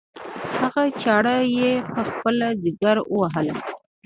هغه چاړه یې په خپل ځګر ووهله.